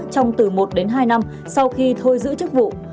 trong từ một đến hai năm sau khi thôi giữ chức vụ